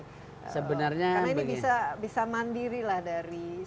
karena ini bisa mandiri lah dari segi pangan